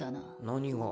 何が？